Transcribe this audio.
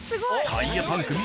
「タイヤ・パンク」